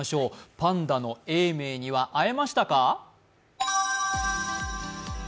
パンダの永明には会えましたか？